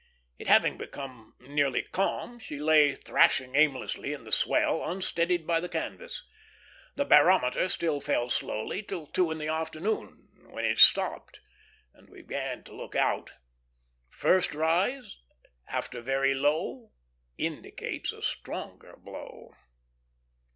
It having become nearly calm, she lay thrashing aimlessly in the swell, unsteadied by the canvas. The barometer still fell slowly till two in the afternoon, when it stopped, and we began to look out. "First rise, after very low Indicates a stronger blow."